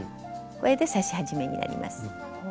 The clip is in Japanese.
これで刺し始めになります。